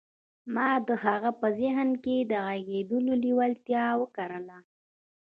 ما د هغه په ذهن کې د غږېدلو لېوالتیا وکرله